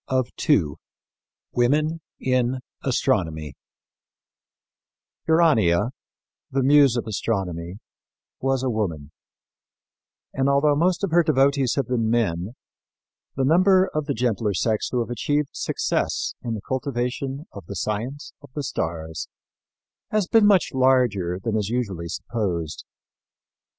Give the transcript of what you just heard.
CHAPTER IV WOMEN IN ASTRONOMY Urania, the muse of astronomy, was a woman; and, although most of her devotees have been men, the number of the gentler sex who have achieved success in the cultivation of the science of the stars has been much larger than is usually supposed.